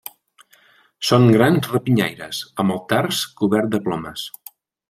Són grans rapinyaires, amb el tars cobert de plomes.